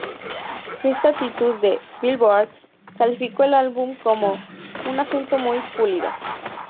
Christa Titus de "Billboard", calificó el álbum como "un asunto muy pulido.